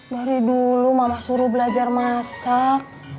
dari dulu mama suruh belajar masak